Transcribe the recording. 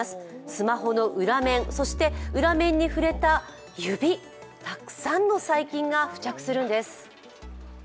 スマホの裏面、そして裏面に触れた指、たくさんの細菌が付着するんです。